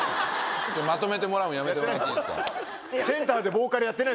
まとめてもらうのやめてもらっていいですか。